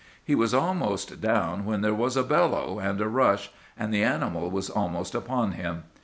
"He was almost down, when there was a bellow and a rush, and the animal was almost upon him.